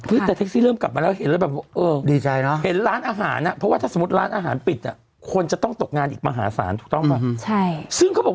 คือแท็กซี่เริ่มกลับมาแล้วเห็นแบบ